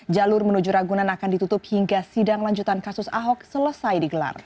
jalur menuju ragunan akan ditutup hingga sidang lanjutan kasus ahok selesai digelar